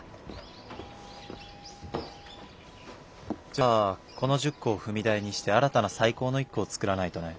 じゃあこの１０個を踏み台にして新たな最高の１個を作らないとね。